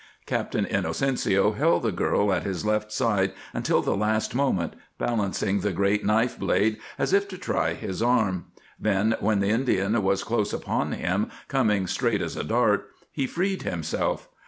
Captain Inocencio held the girl at his left side until the last moment, balancing the great knife blade as if to try his arm; then, when the Indian was close upon him, coming straight as a dart, he freed himself.